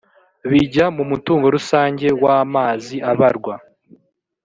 bijya mu mutungo rusange w amazi abarwa